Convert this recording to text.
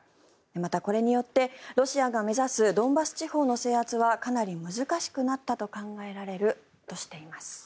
またこれによってロシアが目指すドンバス地方の制圧はかなり難しくなったと考えられるとしています。